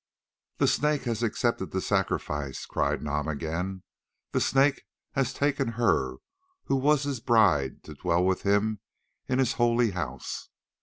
"The Snake has accepted the sacrifice," cried Nam again; "the Snake has taken her who was his bride to dwell with him in his holy house.